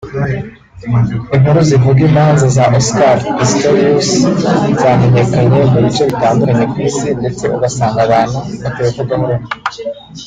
Inkuru zivuga imanza za Oscar Pistorius zamenyekanye mu bice bitandukanye ku isi ndetse ugasanga abantu batabivugaho rumwe